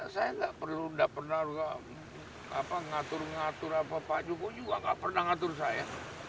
saya tidak perlu tidak pernah ngatur ngatur apa pak jokowi juga tidak pernah ngatur saya